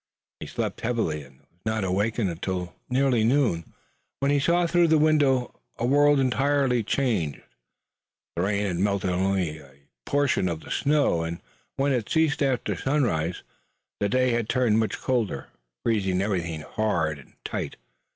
He slept heavily and was not awakened until nearly noon, when he saw through the window a world entirely changed. The rain had melted only a portion of the snow, and when it ceased after sunrise the day had turned much colder, freezing every thing hard and tight.